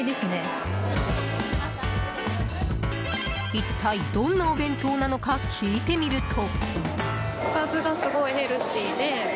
一体、どんなお弁当なのか聞いてみると。